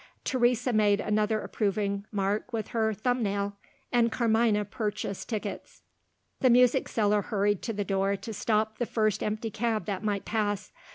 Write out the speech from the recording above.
Teresa made another approving mark with her thumb nail; and Carmina purchased tickets. The music seller hurried to the door to stop the first empty cab that might pass.